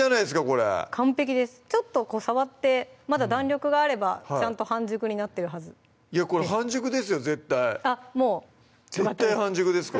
これちょっと触ってまだ弾力があればちゃんと半熟になってるはずいやこれ半熟ですよ絶対絶対半熟です！